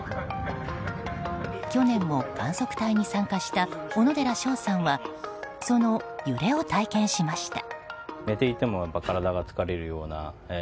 去年も観測隊に参加した小野寺翔さんはその揺れを体験しました。